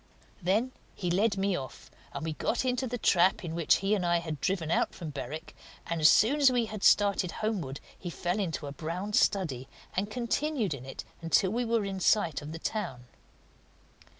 Then he led me off, and we got into the trap in which he and I had driven out from Berwick, and as soon as we had started homeward he fell into a brown study and continued in it until we were in sight of the town.